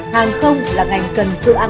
hàng không là ngành cần sự an toàn